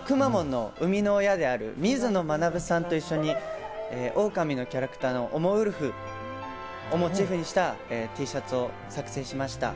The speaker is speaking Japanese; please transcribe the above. くまモンの生みの親である水野学さんと一緒にオオカミのキャラクターのおもウルフをモチーフにしたＴシャツを作成しました。